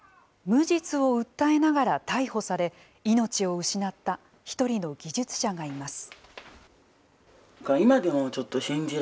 無実を訴えながら逮捕され命を失った一人の技術者がいます。